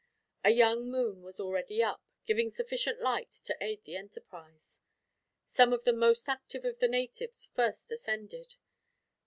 A young moon was already up, giving sufficient light to aid the enterprise. Some of the most active of the natives first ascended.